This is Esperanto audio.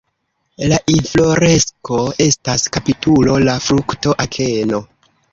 La infloresko estas kapitulo, la frukto akeno.